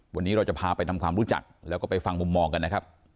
วันนี้เราจะพาไปทำความรู้จักแล้วก็ไปฟังมุมมองกันนะครับ